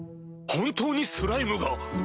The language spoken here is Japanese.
本当にスライムが！